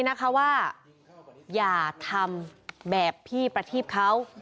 อย่าทำแบบพี่ประทีฟเขา